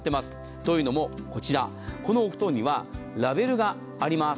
というのも、こちらこのお布団にはラベルがあります。